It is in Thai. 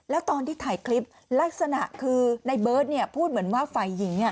แล้วตอนที่ถ่ายคลิปลักษณะคือในเบิร์ตพูดเหมือนว่าฝ่ายหญิง